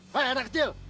hei anak kecil